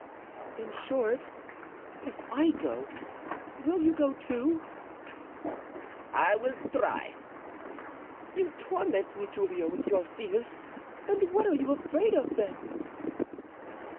"In short, if I go, will you go too?" "I will try." "You torment me, Giulio, with your fears; and what are you afraid of, then?"